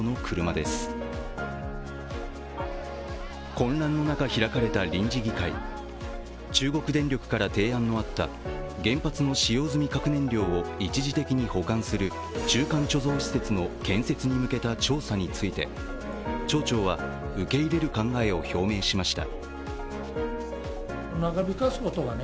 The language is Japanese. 混乱の中開かれた臨時議会、中国電力から提案のあった原発の使用済み核燃料を一時的に保管する中間貯蔵施設の建設に向けた調査について町長は受け入れる考えを表明しました。